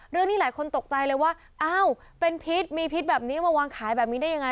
เรื่องนี้หลายคนตกใจเลยว่าอ้าวเป็นพิษมีพิษแบบนี้มาวางขายแบบนี้ได้ยังไง